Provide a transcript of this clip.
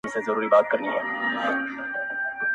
نور دي خواته نه را ګوري چي قلم قلم یې کړمه؛